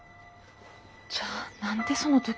じゃあ何でその時。